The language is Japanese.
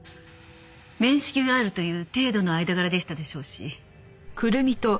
面識があるという程度の間柄でしたでしょうし。